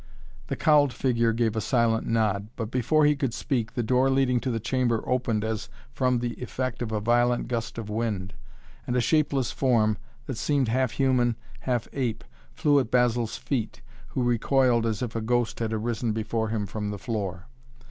The cowled figure gave a silent nod, but, before he could speak, the door leading into the chamber opened as from the effect of a violent gust of wind, and a shapeless form, that seemed half human, half ape, flew at Basil's feet, who recoiled as if a ghost had arisen before him from the floor.